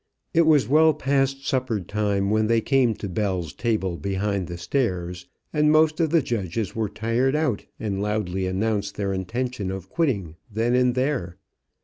It was well past supper time when they came to Bell's table behind the stairs, and most of the judges were tired out and loudly announced their intention of quitting then and there.